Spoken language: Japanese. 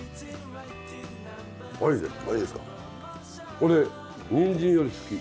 俺にんじんより好き。